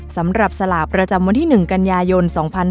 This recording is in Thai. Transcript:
สำหรับสลากประจำวันที่๑กันยายน๒๕๕๙